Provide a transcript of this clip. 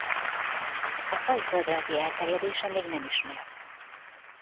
A faj földrajzi elterjedése még nem ismert.